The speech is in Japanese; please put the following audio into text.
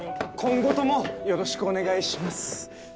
今後ともよろしくお願いします。